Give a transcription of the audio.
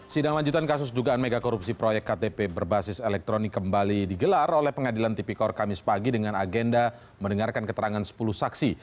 sidang lanjutan kasus dugaan megakorupsi proyek ktp berbasis elektronik kembali digelar oleh pengadilan tipikor kamis pagi dengan agenda mendengarkan keterangan sepuluh saksi